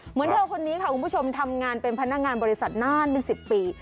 เหมือนเธอคนนี้ค่ะคุณผู้ชมทำงานเป็นพนักงานบริษัทนานเป็น๑๐ปี